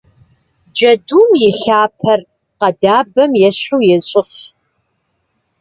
Джэдум и лъапэр къэдабэм ещхьу ещӏыф.